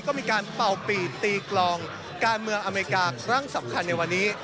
ก็มีการเป่าปีดตีกลองการเมืองอเมริกาครั้งสำคัญในวันนี้